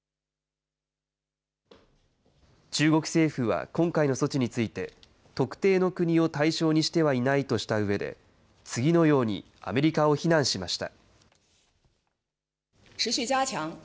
中国政府は今回の措置について、特定の国を対象にしてはいないとしたうえで、次のようにアメリカを非難しました。